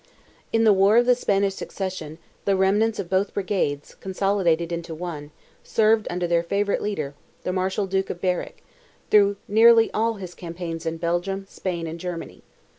In the war of the Spanish succession, the remnants of both brigades, consolidated into one, served under their favourite leader, the Marshal Duke of Berwick, through nearly all his campaigns in Belgium, Spain and Germany.